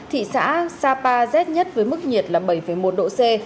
thị xã sapa rét nhất với mức nhiệt là bảy một độ c